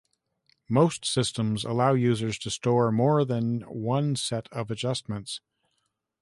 Most systems allow users to store more than one set of adjustments.